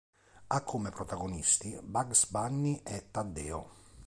Ha come protagonisti Bugs Bunny e Taddeo.